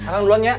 akan duluan ya